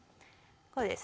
こうですね。